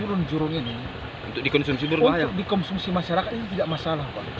untuk dikonsumsi masyarakat ini tidak masalah